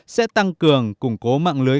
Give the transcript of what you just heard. sẽ tăng cường củng cố mạng lưới